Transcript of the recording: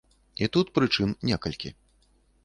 І тут прычын некалькі.